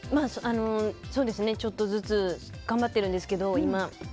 ちょっとずつ頑張ってるんですけど、今。